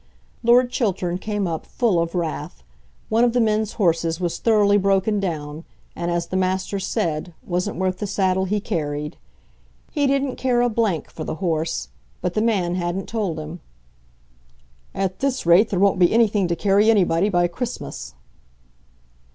Lord Chiltern came up full of wrath. One of the men's horses was thoroughly broken down, and, as the Master said, wasn't worth the saddle he carried. He didn't care a for the horse, but the man hadn't told him. "At this rate there won't be anything to carry anybody by Christmas."